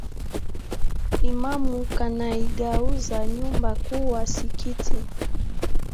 Imamu kanaigauza nyumba kuwa nsikiti